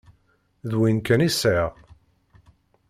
D win kan i sεiɣ.